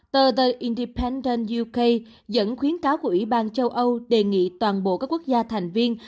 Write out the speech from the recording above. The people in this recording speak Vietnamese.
tờ the indipenden youca dẫn khuyến cáo của ủy ban châu âu đề nghị toàn bộ các quốc gia thành viên